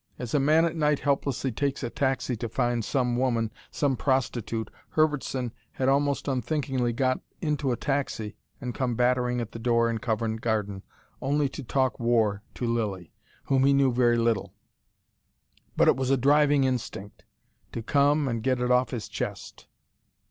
As a man at night helplessly takes a taxi to find some woman, some prostitute, Herbertson had almost unthinkingly got into a taxi and come battering at the door in Covent Garden, only to talk war to Lilly, whom he knew very little. But it was a driving instinct to come and get it off his chest.